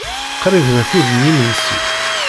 Qrib d akud n yimensi.